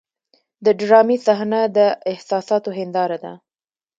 د ډرامې صحنه د احساساتو هنداره ده.